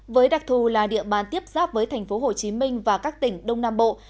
với đặc thù là địa bàn tiếp giáp với thành phố hồ chí minh và các tỉnh đông nam bộ